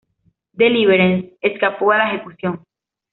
Deliverance escapó a la ejecución.